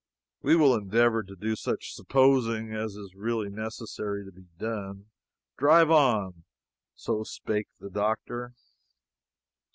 We will endeavor to do such 'supposing' as is really necessary to be done. Drive on." So spake the doctor.